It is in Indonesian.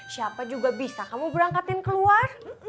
siapa juga bisa kamu berangkatin keluar